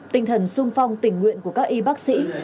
tinh thần sung phong tình nguyện của các y bác sĩ